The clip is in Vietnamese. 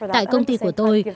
tại công ty của tôi